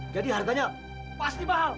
jadi harganya pasti mahal